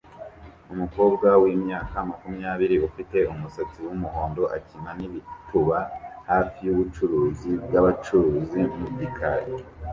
Umukobwa wimyaka Makumyabiri ufite umusatsi wumuhondo akina nibituba hafi yubucuruzi bwabacuruzi mu gikari